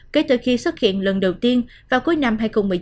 kể từ khi xuất hiện lần đầu tiên vào cuối năm hai nghìn một mươi chín